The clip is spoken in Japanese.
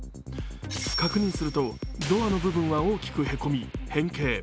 確認すると、ドアの部分は大きくへこみ、変形。